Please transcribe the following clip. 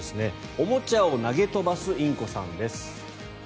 おもちゃを投げ飛ばすインコさんです。